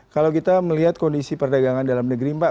kalau kita melihat kondisi perdagangan dalam negeri pak